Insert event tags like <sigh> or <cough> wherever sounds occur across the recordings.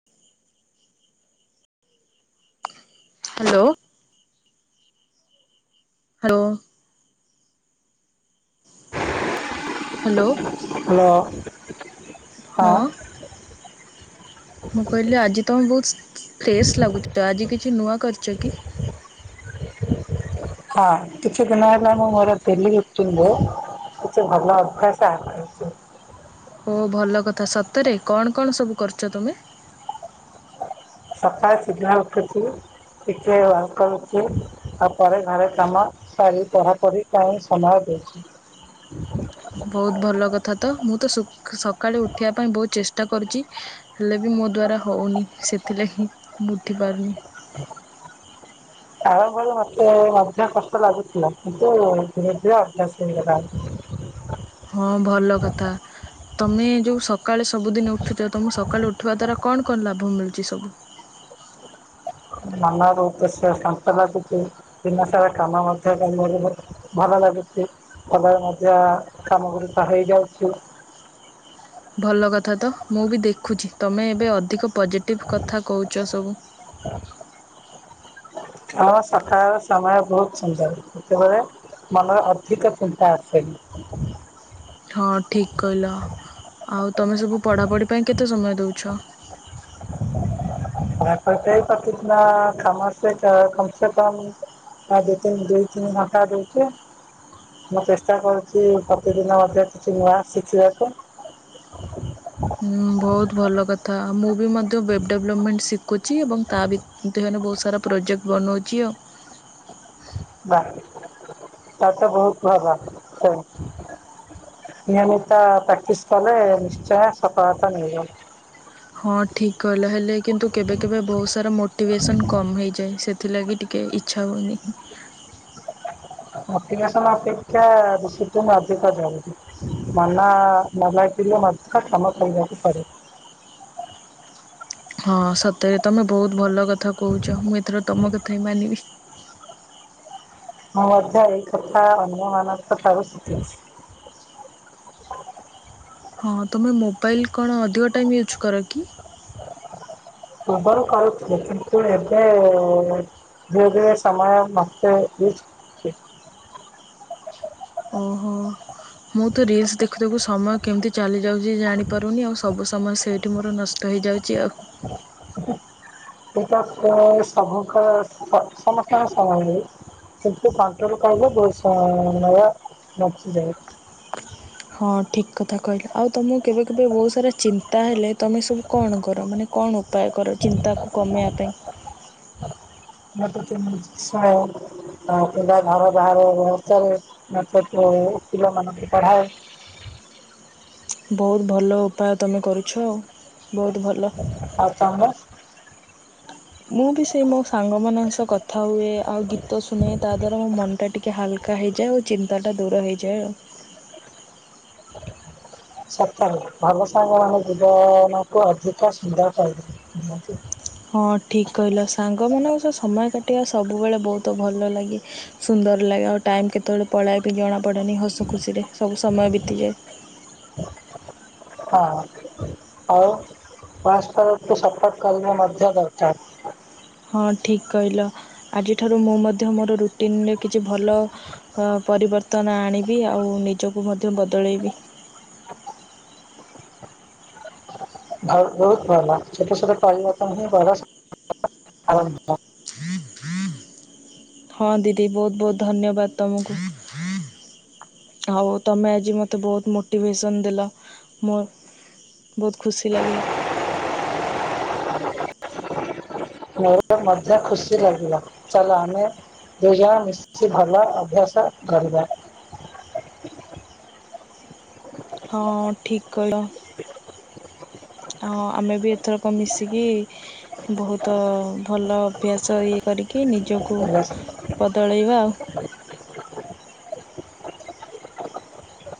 ?????????? Hello. Hello. Hello. Hello ହଁ। ମୁଁ କହିଲି ଆଜି ତୁମେ ବହୁତ ଫ୍ରେଶ ଲାଗୁଛ ଆଜି କିଛି ନୂଆ କରିଛ କି? ହଁ କିଛି ଦିନ ହେଲା ମୁଁ ମୋର ଡେଲି ରୋଟିନରେ କିଛି ଭଲ ଅଭ୍ୟାସ କରିଛି ହଉ ଭଲ କଥା ସତରେ କଣ କଣ ସବୁ କରୁଛ ତୁମେ? ସକାଳେ ଶୀଘ୍ର ଉଠୁଛିୁ ଟିକେ ୱାର୍କାଉଟ କରୁଛି ଆଉ ତାପରେ ଘର କାମ ଶାରି ପଢାପଢି ପାଇଁ ସମୟ ଦେଉଛି। ବହୁତ ଭଲ କଥା ତ ମୁଁ ତ ସକାଳୁ ଉଠିବା ପାଇଁ ବହୁତ ଚେଷ୍ଟା କରୁଛି। ହେଲେ ବି ମୋ ଦ୍ୱାରା ହଉନି ସେଥିଲାଗି ମୁଁ ଉଠିପାରୁନି। ଆରମ୍ଭରୁ ମତେ ମଧ୍ୟ କଷ୍ଟ ଲାଗୁଥିଲା କିନ୍ତୁ ଧୀରେ ଧୀରେ ଅଭ୍ୟାସ ହେଇଗଲା। ହଁ ଭଲ କଥା ତମେ ଯୋଉ ସକାଳେ ସବୁଦିନ ଉଠୁଛ ତମେ ସକାଳୁ ଉଠିବା ଦ୍ଵାରା କଣ କଣ ଲାଭ ମିଳୁଛି ସବୁ? ମନର ଉଦ୍ଦେଶ୍ୟ କିଛି ସନ୍ତକ କିଛି ଲାଗୁଛି ଦିନସାରା କାମ ମଧ୍ୟ ଭଲ ଲାଗୁଛି ଭଲରେ ମଧ୍ୟ କାମ ଗୁଡ଼ିକ ହେଇଯାଉଛି। ଭଲ କଥା ତ ମୁଁ ବି ଦେଖୁଛି ତମେ ଏବେ ଅଧିକ ପଜିଟିଭ୍ କଥା କହୁଛ ସବୁ। <unintelligible> କାରଣ ସକାଳର ସମୟ ବହୁତ ସୁନ୍ଦର ସେତେବେଳେ ମନରେ ଅଧିକ ଚିନ୍ତା ଆସେ। ହଁ ଠିକ କହିଲ ଆଉ ତମେ ସବୁ ପଢ଼ାପଢ଼ି ପାଇଁ କେତେ ସମୟ ଦେଉଛ? <inaudible> ପଢ଼ା ପଢି ପାଇଁ ପ୍ରତିଦିନ କାମର ସହିତ କମ ସେ କମ ଏଇ ଦି ଦିନ ଦୁଇ ତିନି ଘନଟା ଦଉଛି। ମୁଁ ଚେଷ୍ଟା କରୁଛି ପ୍ରତିଦିନ ମଧ୍ୟ କିଛି ନୂଆ ଶିଖିବାକୁ। ହୁଁ ବହୁତ ଭଲ କଥା ମୁଁ ବି ମଧ୍ୟ ୱେବ୍ ଡେଭଲପମେଣ୍ଟ ଶିଖୁଛି ଏବଂ ତା ଭିତରେ ତୁ ହୋନେ ବହୁତ ସାରା ପ୍ରୋଜେକ୍ଟ ବନଉଛି ଆଉ। ବା ତାହେଲେ ତ ବହୁତ ଭଲ। ନିୟମିତ ପ୍ରାକ୍ଟିସ କଲେ ନିଶ୍ଚୟ ସଫଳତା ମିଳିବ। ହଁ ଠିକ କହିଲ ହେଲେ କିନ୍ତୁ କେବେ କେବେ ବହୁତ ସାରା ମୋଟିଭେସନ କମ ହେଇଯାଏ ସେ ସେଥିଲାଗି ଟିକେ ଇଚ୍ଛା ହୁଏନି। ମୋଟିଭେସନ ଅପେକ୍ଷା ଡିସିପ୍ଲିନ୍ ଅଧିକ ଜରୁରୀ। ମନ ଭଲ ନ ଲାଗିଲେ ମଧ୍ୟ କର୍ମ କରିବାକୁ ପଡେ। ହଁ ସତେରେ ତମେ ବହୁତ ଭଲ କଥା କହୁଛ ମୁଁ ଏଥର ତମ କଥା ହିଁ ମାନିବି। ମୁଁ ମଧ୍ୟ ଏଇ କଥା ଅନ୍ୟମାନଙ୍କ ଠାରୁ ଶିଖିଛି। ହଁ ତୁମେ ମୋବାଇଲ୍ କଣ ଅଧିକ ଟାଇମ୍ ୟୁଜ୍ କର କି? ପୂର୍ବରୁ କରୁଥିଲି କିନ୍ତୁ ଏବେ ଧିରେ ଧୀରେ ସମୟ ମତେ ଓହୋ। ମୁଁ ତ ରିଲସ ଦେଖୁିଦେଖୁ ସମୟ କେମିତି ଚାଲି ଯାଉଛି ଜାଣିପାରୁନି ଆଉ ସବୁ ସମୟ ସେଇଠ ଠି ମୋର ନଷ୍ଟ ହେଇଯାଉଛି ଆଉ। <unintelligible> କିନ୍ତ କଣ୍ଟ୍ରୋଲ କଲେ ବହୁତ ସମୟ ବଞ୍ଚିଯାଏ। ହଁ ଠିକ୍ କଥା କହିଲା ଆଉ ତମକୁ କେବେ କେବେ ବହୁତ ସାରା ଚିନ୍ତା ତାହେଲେ ତୁମେ ସବୁ କଣ କର ମାନେ କଣ ଉପାୟ କର ଚିନ୍ତାକୁ କମେଇବା ପାଇଁ? <unintelligible> ପା ଘର ବାହାରେ ଚାଲେ ନାଚେ ପିଲମାନଙ୍କୁ ପଢ଼ାଏ। ବହୁତ ଭଲ ଉପାୟ ତୁମେ କରୁଛ ଆଉ ବହୁତ ଭଲ। ଆଉ ତମେ? ମୁଁ ବି ସେଇ ମୋ ସାଙ୍ଗମାନଙ୍କ ସହ କଥା ହୁଏ ଆଉ ଗୀତ ଶୁଣେ ତା ଦ୍ଵାରା ମୋ ମନ ଟା ଟିକେ ଟିକେ ହାଲକା ହେଇଯାଏ ଆଉ ଚିନ୍ତା ଟା ଦୂର ହେଇଯାଏ ଆଉ। ସତ ଭଲ ସାଙ୍ଗ ମାନେ ଜୀବନକୁ ଅଧିକ ସୁନ୍ଦର କରିଦିଅନ୍ତି। ହଁ ଠିକ କହିଲ ସାଙ୍ଗ ମାନଙ୍କ ସହ ସମୟ କାଟିବା ସବୁବେଳେ ବହୁତ ଭଲ ଲାଗେ। ସୁନ୍ଦର ଲାଗେ ଆଉ ଟାଇମ୍ କେତେବେଳେ ପଳାଇବା ବି ଜଣାପଡ଼େନି ହସ ଖୁସିରେ ସବୁ ସମୟ ବିତିଯାଏ। <unintelligible> <unintelligible> ହଁ ଠିକ୍ କହିଲ ଆଜିଠାରୁ ମୁଁ ମଧ୍ୟ ମୋର ରୁଟିନରେ କିଛି ଭଲ ପରିବର୍ତ୍ତନ ଆଣିବି ଆଉ ନିଜକୁ ମଧ୍ୟ ବଦଳେଇବି। <unintelligible> ହଁ ଦିଦି ବହୁତ ବହୁତ ଧନ୍ୟବାଦ ତମକୁ। ଆଉ ତମେ ଆଜି ମତେ ବହୁତ ମୋଟିଭେସନ ଦେଲ ମୋ ବହୁତ ଖୁସି ଲାଗିଲା। ମୋ ମଧ୍ୟ ଖୁସି ଲାଗିଲା ଚାଲ ଆମେ ଦୁଇ ଜଣ ମିଶିକି ଭଲ ଅଭ୍ୟାସ କରିବା। ହଁ ଠିକ କହିଲ। ଆଉ ଆମେ ବି ଏଥରକ ମିଶିକି ବହୁତ ଭଲ ଅଭ୍ୟାସ ଇ କରିକି ନିଜକୁ ବଦଳାଇବା ଆଉ।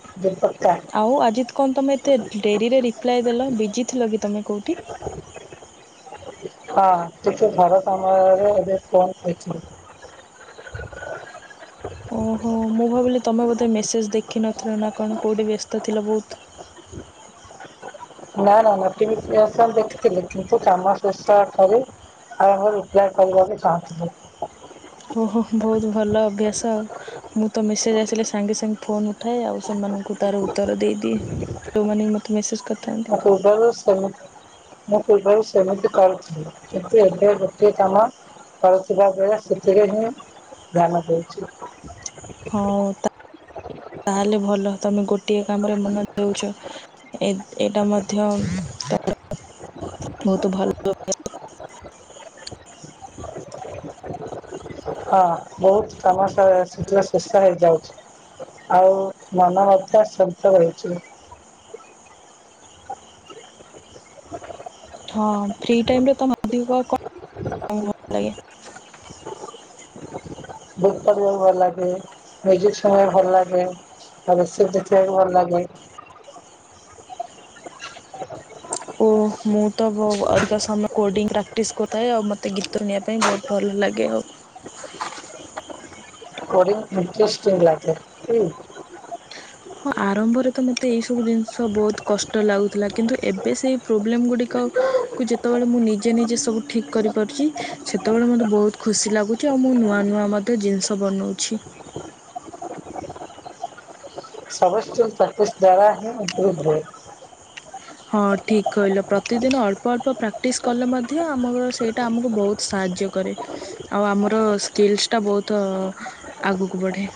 <unintelligible> ଆଉ ଆଜିତ କଣ ତୁମେ ଏତେ ଡେରିରେ ରିପ୍ଲାଏ ଦେଲ ବିଜି ଥିଲ କି ତୁମେ କେଉଁଠି? <unintelligible> ଓହୋ ମୁଁ ଭାବିଲି ତମେ ବୋଧେ ମେସେଞ୍ଜ ଦେଖିନଥିଲ ନାକଣ କେଉଠି ବ୍ୟସ୍ତ ଥିଲା ବହୁତ୍। ନା ନା ନା ତିନି ପ୍ଲସ୍ ଦେଖିଥିଲେ କିନ୍ତୁ କାମ ଶେଷଠାରେ ଆଉ ମୁଁ ରିପ୍ଲାଏ କରିବାକୁ ଚାହୁଁଥିଲୁ। ଓହୋ ବହୁତ୍ ଭଲ ଅଭ୍ୟାସ। ମୁତ ମେସେଞ୍ଜ ଆସିଲେ ସାଙ୍ଗେ ସାଙ୍ଗେ ଫୋନ୍ ଉଠାଏ ଆଉ ସେମାନଙ୍କୁ ତାର ଉତ୍ତର ଦେଇଦିଏ। ଯୋଉ ମାନେହି ମତେ ମେସେଞ୍ଜ କରିଥାନ୍ତି। <unintelligible> ମୁଁ ପୂର୍ବେରୁ ସେମିତି କରୁଥିଲି କିନ୍ତୁ ଏବେ ଗୋଟିଏ କାମ କରଥିବା ବେଳେ ସେଥିରେହି ଧ୍ୟାନ ଦଉଚି। ହୋଉ ତା ତାହେଲେ ଭଲ ତମେ ଗୋଟିଏ କାମରେ ମନ ଦେଉଛ। ଏ ଏଇଟା ମଧ୍ୟ ବହୁତ ଭଲ ହଁ ବହୁତ୍ କାମସ ସିଚୁଏ ପ୍ରେସର୍ ହେଇଯାଉଛି ଆଉ ମନ ମଧ୍ୟ ଶାନ୍ତ ରହିଚି। ହଁ ଫ୍ରି ଟାଇମରେ ତମେ ଅଧିକ କଣ କାମ ଭଲ ଲାଗେ। ବୁକ୍ ପଢ଼ିବାକୁ ଭଲ ଲାଗେ ମ୍ୟୁଜିକ୍ ଶୁଣିବାକୁ ଭଲ ଲାଗେ ତା ରେସିପି ଦେଖିବାକୁ ଭଲ ଲାଗେ। ଓ ମୁଁ ତ ଅଧିକା ସମୟ କୋଡ଼ିଙ୍ଗ ପ୍ରାକ୍ଟିସ୍ କରିଥାଏ ଆଉ ମୋତେ ଗୀତ ଶୁଣିବା ପାଇଁ ବହୁତ୍ ଭଲ ଲାଗେ ଆଉ କୋରିଙ୍ଗି ଇଷ୍ଟ୍ରେଷ୍ଟିକ୍ ଲାଗେନି ହୁଁ। ହଁ ଆରମ୍ଭରେତ ମୋତେ ଏଇସବୁ ଜିନିଷ ବହୁତ୍ କଷ୍ଟ ଲାଗୁଥିଲା କିନ୍ତୁ ଏବେ ସେଇ ପ୍ରୋବ୍ଲେମ୍ ଗୁଡ଼ିକ କୁ ଯେତେବେଳେ ମୁଁ ନିଜେ ନିଜେ ସବୁ ଠିକ୍ କରିପାରୁଚି ସେତେବେଳେ ମୋତେ ବହୁତ୍ ଖୁସି ଲାଗୁ ଚି ଆଉମୁ ନୂଆ ନୂଆ ମଧ୍ୟ୍ୟ ଜିନିଷ ବନଉଛି। ସମସ୍ତଙ୍କୁ ପ୍ରେକ୍ଟିସ୍ ଦ୍ଵାରାହି ଇମ୍ପ୍ରୋଭେ ରୁହେ। ହଁ ଠିକ୍ କହିଲ ପ୍ରତିଦିନ ଅଳ୍ପ ଅଳ୍ପ ପ୍ରାକ୍ଟିସ୍ କଲେ ମଧ୍ୟ ଆମର ସେଇଟା ଆମକୁ ବହୁତ୍ ସାହାଯ୍ୟ କରେ ଆଉ ଆମର ସ୍କିଲ୍ସଟା ବହୁତ ଆଗକୁ ବଢ଼େ।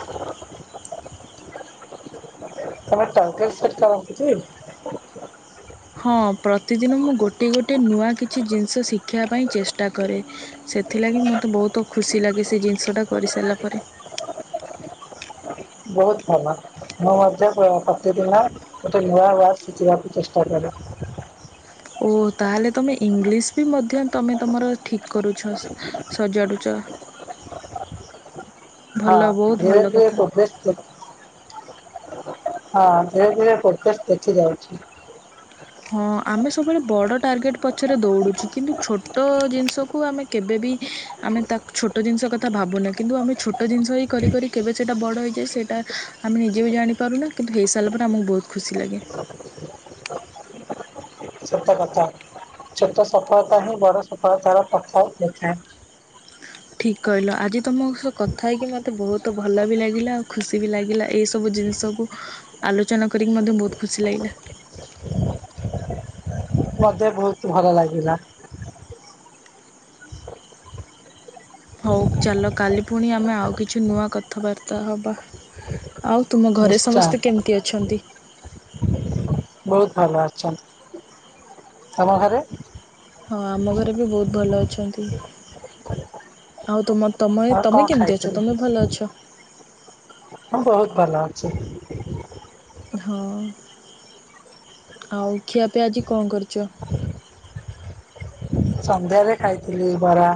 <unintelligible> ହଁ ପ୍ରତିଦିନ ମୁଁ ଗୋଟେ ଗୋଟେ ନୂଆ କିଛି ଜିନିଷ ଶିଖିବା ପାଇଁ ଚେଷ୍ଟା କରେ। ସେଥିଲାଗି ମୋତେ ବହୁତ୍ ଖୁସି ଲାଗେସେ ଜିନିଷଟା କରିସାରିଲା ପରେ। ବହୁତ୍ ଭଲ। ମୁଁ ମଧ୍ୟ ପ୍ର ପ୍ରତିଦିନ ଗୋଟେ ନୂଆ ଶିଖିବାକୁ ଚେଷ୍ଟା କରେ। ଓହୋ ତାହେଲେ ତମେ ଇଂଲିଶବି ମଧ୍ୟ ତମେ ତମର ଠିକ୍ କରୁଛ? ସଜାଡ଼ୁଚ। ହଁ ବହୁତ ଭଲ ଧ କଥା। <unintelligible> ହଁ ଧୀରେ ଧୀରେ ଫୋକସ୍ ଦେଖିଯାଉଚି। ହଁ ଆମେ ସବୁବେଳେ ବଡ଼ ଟାର୍ଗେଟ୍ ପଛରେ ଦୌଡ଼ୁଚି, କିନ୍ତୁ ଛୋଟ ଜିନିଷକୁ ଆମେ କେବେବି ଆମେ ତାକୁ ଛୋଟ ଜିନିଷ କଥା ଭାବୁନେ କିନ୍ତୁ ଆମେ ଛୋଟ ଜିନିଷ ହିଁ କରି କରି କେବେ ସେଇଟା ବଡ଼ ହେଇଯାଏ, ସେଇଟା ଆମେ ନିଜେବି ଜାଣିପାରୁନା କିନ୍ତୁ ହେଇସାରିଲା ପରେ ଆମକୁ ବହୁତ୍ ଖୁସି ଲାଗେ। ସତ କଥା ଛୋଟ ସଫଳତା ହିଁ ବଡ଼ ସଫଳତାର ପ୍ରଥ ଦେଖାଏ। ଠିକ୍ କହିଲ, ଆଜି ତୁମ ସହ କଥା ହେଇକି ମୋତେ ବହୁତ୍ ଭଲବି ଲାଗିଲା, ଆଉ ଖୁସିବି ଲାଗିଲା ଏଇସବୁ ଏଇସବୁ ଜିନିଷ୍ ସବୁ ଆଲୋଚନା କରିକି ମଧ୍ୟ ବହୁତ୍ ଖୁସି ଲାଗିଲା। ମତେ ବହୁତ୍ ଭଲ ଲାଗିଲା। ହଉ ଚାଲ କାଲି ଫୁଣି ଆମେ ଆଉ କିଛି ନୂଆ କଥାବାର୍ତ୍ତା ହବା। ଆଉ ତୁମ ଘରେ ନିଶ୍ଚୟ ସମସ୍ତେ କେମିତି ଅଛନ୍ତି? ବହୁତ୍ ଭଲ ଅଛନ୍ତି, ତମ ଘରେ? ହଁ ଆମ ଘରେବି ବହୁତ୍ ଭଲ ଅଛନ୍ତି। ଆଉ ତମ ତମଏ ଆଉ କଣ ତମେ କେମିତି ଅଛ ଖାଇଥିଲେ? ତମେ ଭଲ ଅଛ? ହଁ ବହୁତ୍ ଭଲ ଅଛି। ହଁ ଆଉ ଖିଆ ପିଆ ଆଜି କଁ କରିଚ? ସନ୍ଧ୍ୟାରେ ଖାଇଥିଲି ବରା।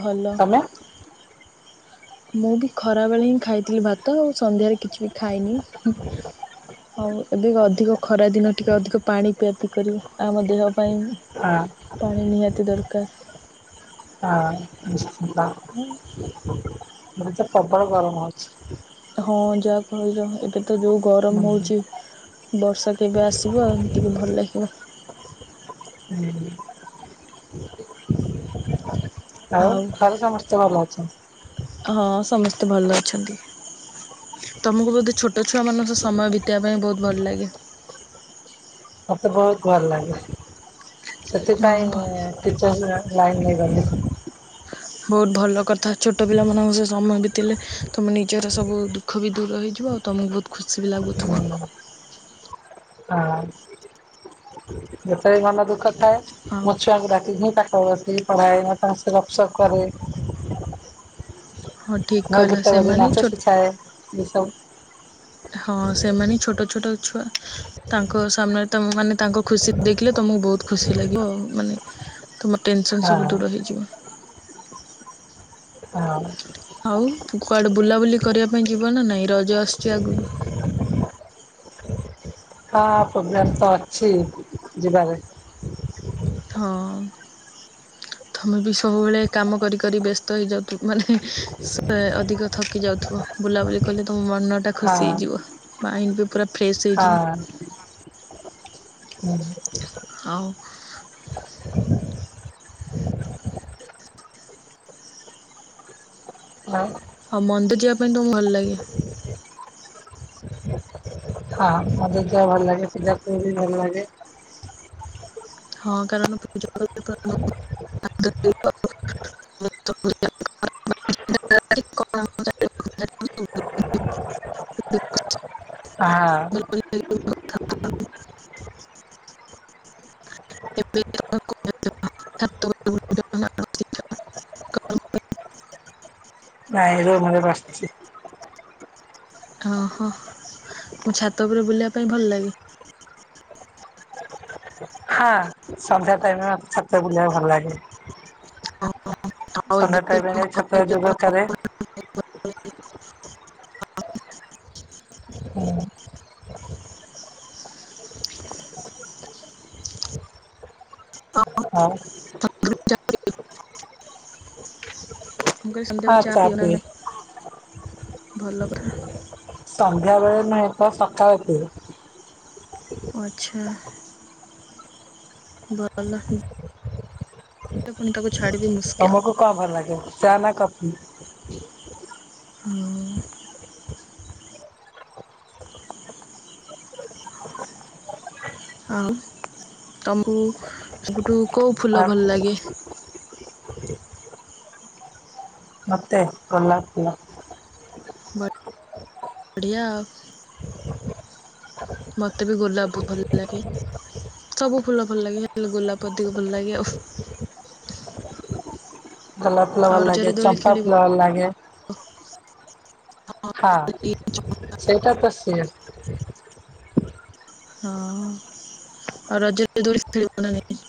ଭଲ। ତମେ? ମୁବି ଖରା ବେଳେହି ଖାଇଥିଲି ଭାତ ଆଉ ସନ୍ଧ୍ୟାରେ କିଛିବି ଖାଇନି ହିଁ। <inaudible> ହଉ ଟିକେ ଅଧିକ ଖରାଦିନ ଟିକେ ଅଧିକ ପାଣି ପିଆ ପିଇ କରିବ। ଆମ ଦେହ ପାଇଁ ହଁ ପାଣି ନିହାତି ଦରକାର। ହଁ ନିଶ୍ଚିତ। ଏବେତ ପ୍ରବଳ ଗରମ ହଉଚି। ହଁ ଯାହା କହିଲ ଏବେ ତ ଯୋଉ ଗରମ ହଉଚି। ହୁଁ ବର୍ଷା କେବେ ଆସିବ ଟିକେ ଭଲ ଲାଗିବ। ହୁଁ। ଆଉ ଘରେ ସମସ୍ତେ ଭଲ ଅଛନ୍ତି? ହଁ ସମସ୍ତେ ଭଲ ଅଛନ୍ତି। ତମକୁ ବୋଧେ ଛୋଟ ଛୁଆ ମାନଙ୍କ ସମୟ ବିତାଇବା ପାଇଁ ବହୁତ୍ ଭଲ ଲାଗେ? ମତେ ବହୁତ୍ ଭଲ ଲାଗେ, ହଁ ଭ ସେଥିପାଇଁ ଟିଚରର୍ସ ଲାଇନ୍ ରେ ଗଲି। ବହୁତ ଭଲ କଥା। ଛୋଟ ପିଲାମାନଙ୍କ ସହ ସମୟ ବିତେଇଲେ ତମ ନିଜର ସବୁ ଦୁଖ୍ ଖ ବି ଦୂର ହେଇଯିବ ଆଉ ତମକୁ ବହୁତ୍ ଖୁସି ବି ଲାଗୁଥିବ। ଆ ଯେତେବେଳେ ମନ ଦୁଃଖ ଥାଏ ଆଉ ମୁଁ ଛୁଆଙ୍କୁ ଡାକିଥାଏ। ମୁ ପା ଠ ବସିକି ପଢାଏ। ତାଙ୍କ ସହ ଗପ ସପ କରେ। ହଁ ଠିକ୍ ନହେଲେ କହିଲ। ଗୀତ ବଜେଇ ସେମାନେ ନାଚ ଛୋଟ-୍- ଶିଖାଏ ଏସବୁ ହଁ ସେମାନେ ହିଁ ଛୋଟ ଛୋଟ ଛୁଆ। ତାଙ୍କ ସାମ୍ନାରେ ତମ ମାନେ ତାଙ୍କ ଖୁସି ଦେଖିଲେ ତମକୁ ବହୁତ୍ ଖୁସି ଲାଗିବ ଆଉ ମାନେ ତମ ଟେନସନ୍ ହଁ ସବୁ ଦୂର ହେଇଯିବ। ହଁ। ଆଉୁ କୁଆଡେ ବୁଲାବୁଲି କରିବା ପାଇଁ ଯିବ ନା ନାଇଁ ରଜ ଆସୁଚି ଆଗକୁ? ହଁ ପୋଗ୍ରାମ ତ ଅଛି ଯିବାର। ହଁ। ତମେ ବି ସବୁବେଳେ କାମ କରି କରି ବ୍ୟସ୍ତ ହୋଇଯାଉଥିବ ମାନେ ହେ ଅଧିକ ଥକି ଯାଉଥିବ। ବୁଲାବୁଲି କଲେ ତମ ମନଟା ହଁ ଖୁସି ହେଇଯିବ। ମାଇଣ୍ଡ ବି ପୁରା ଫ୍ରେସ୍ ହଁ ହେଇଯିବ। ହୁଁ। ଆଉ ଆଉ ଆଉ ମନ୍ଦିର୍ ଯିବା ପାଇଁ ତମକୁ ଭଲ ଲାଗେ? ହଁ ମନ୍ଦିର ଯିବାକୁ ଭଲ ଲାଗେ। ପିଲା ପିଲି ବି ଭଲ ଲାଗେ। ହଁ କାରଣ <unintelligible> <unintelligible> <unintelligible> ହଁ। <unintelligible> <unintelligible> ନାଇଁ ରୁମ ରେ ବସିଚି। ଅ ହଁ ମୁଁ ଛାତ ଉପରେ ବୁଲିବା ପାଇଁ ଭଲ ଲାଗେ। ହଁ ସନ୍ଧ୍ୟା ଟାଇମରେ ଛାତ ବୁଲିବାକୁ ଭଲ ଲାଗେ। ଆଉ ଏବେ ସନ୍ଧ୍ୟା ତ ଟାଇମ ଯୋଉ ମୁଁ ଯାଇ ଛତ କହିଲି ଯୋଗ କରେ। ହୁଁ ହଁ <unintelligible> ମୁଁ ଆଉ କହିଲି ହଁ ସନ୍ଧ୍ୟାକୁ ଚା ପିଉନା ପିଏ। ନା ନାଇଁ? ଭଲ ପରା ସଂନ୍ଧ୍ୟାବେଳେ ନୁହ ତ ସକାଳେ ପିଏ। ଆଛା ଭଲ। ପୁଣି ତାକୁ ଛାଡ଼ିବି ମୁ ତମକୁ କଣ ଭଲ ଲାଗେ ଚା ନା କଫି? ହୁଁ। ଆଉ ତମକୁ ସବୁଠୁ କୋଉ ଆ ଫୁଲ ଭଲ ଲାଗେ? ମତେ କଲାକଲା। ବଢ଼ିଆ। ମୋତେ ବି ଗୁଲା ବହୁତ ଭଲ ଲାଗେ। ସବୁ ଫୁଲ ଭଲ ଲାଗେ ଗୋଲାପ ଅଧିକ ଭଲ ଲାଗେ ଆଉ। ଗୋଲାଫ ଫୁଲ ଆଉ ଭଲ ରଜରେ ଲାଗେ। ଦୋଳି ଚମ୍ପା ଖେଳିବ ଫୁଲ ଭଲ ଲାଗେ। ହଁ ସେଇଟା ତ ସିଏ। ହଁ ଆଉ ରଜରେ <unintelligible> ଖେଳିବ ନା ନାଇ?